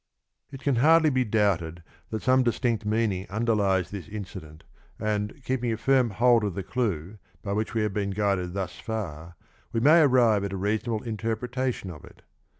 It can hardly be doubted that some distinct mean ing underlies this incident, and, keeping a firm hold of the clue by which we have been guided thus far we may arrive at a reasonable interpretation of it.